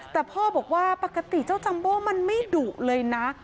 แต่พ่อบอกว่าปกติเจ้าจัมโบ้มันไม่ดุเลยนะ